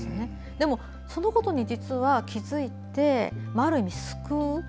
でも、そのことに実は気付いてある意味、救う。